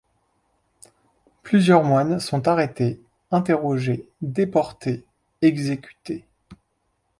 Plusieurs moines sont arrêtés, interrogés, déportés, exécutés.